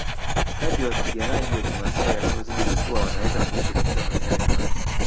Kadri wapiganaji wa kimaasai wanavyozidi kukua wanaweza kuishi katika maeneo ya mbali